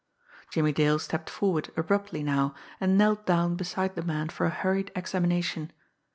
Jimmie Dale stepped forward abruptly now, and knelt down beside the man for a hurried; examination.